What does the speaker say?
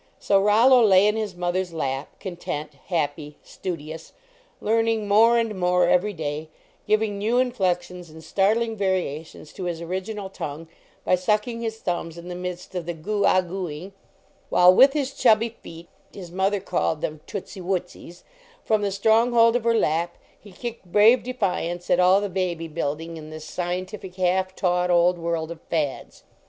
So Rollo lay in his mother s lap, content, happy, studious ; learning more and more every day, giving new inflections and startling variations to his original tongue by sucking his thumbs in the midst of the "goo ah gooing," while with his chubby feet his mother called them "tootsie wootsies," from the stronghold of her lap, he kicked brave defiance at all the baby building in this scientific, half taught old world of fads.